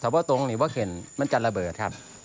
ถ้าออกแค่ตรงหรือขึ้นจะระเบิดครับ